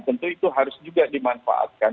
tentu itu harus juga dimanfaatkan